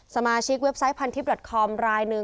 สมาชิกเว็บไซต์พันทิศคอมรายหนึ่ง